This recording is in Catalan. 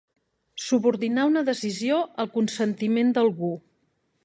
Subordinar una decisió al consentiment d'algú.